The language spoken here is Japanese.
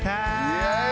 イエーイ！